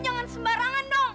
jangan sembarangan dong